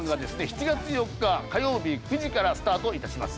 ７月４日火曜日９時からスタート致します。